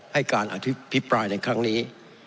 ให้การอภิปรายในครั้งนี้